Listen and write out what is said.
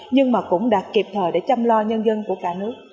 nhưng mà cũng đạt kịp thời để chăm lo nhân dân của cả nước